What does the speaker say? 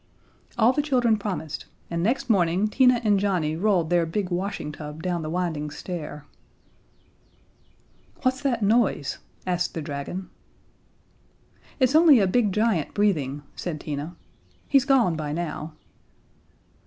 All the children promised, and next morning Tina and Johnnie rolled their big washing tub down the winding stair. "What's that noise?" asked the dragon. "It's only a big giant breathing," said Tina, "He's gone by now."